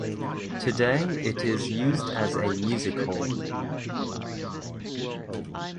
Today it is used as a music hall.